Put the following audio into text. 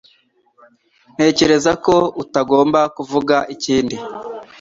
Ntekereza ko utagomba kuvuga ikindi